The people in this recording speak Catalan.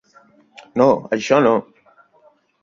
No, això no!